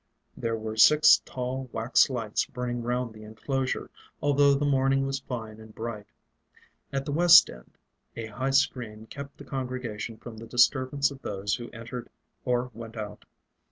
There were six tall wax lights burning round the inclosure, although the morning was fine and bright. At the west end a high screen kept the congregation from the disturbance of those who entered or went out.